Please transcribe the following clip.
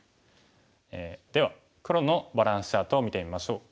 では黒のバランスチャートを見てみましょう。